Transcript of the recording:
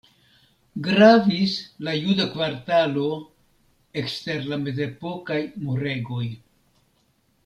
Gravis la juda kvartalo ekster la mezepokaj muregoj.